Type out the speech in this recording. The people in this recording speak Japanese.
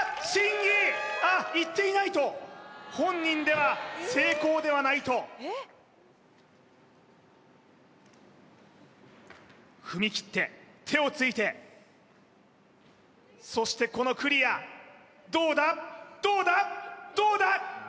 審議あっいっていないと本人では成功ではないと踏み切って手をついてそしてこのクリアどうだどうだどうだ？